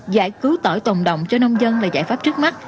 giải cứu tỏi tồn động cho nông dân là giải pháp trước mắt